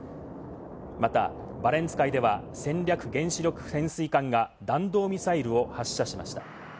またバレンツ海では、戦略原子力潜水艦が弾道ミサイルを発射しました。